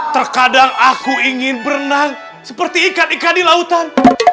terkadang aku ingin berenang seperti ikan ikan di lautan